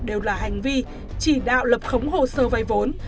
đều là hành vi chỉ đạo lập khống hồ sơ vay vốn